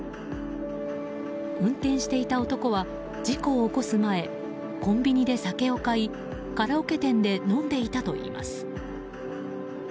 運転していた男は事故を起こす前コンビニで酒を買いカラオケ店で飲んでいたといいます。